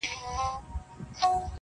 پر نیم ولس مو بنده چي د علم دروازه وي,